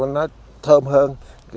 nó thơm hơn